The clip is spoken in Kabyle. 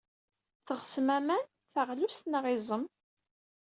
Teɣsem aman, taɣlust neɣ iẓem?